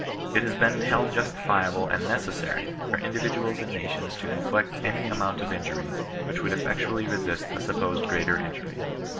It has been held justifiable and necessary , for individuals and nations to inflict any amount of injury which would effectually resist a supposed greater injury.